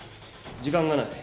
時間がない。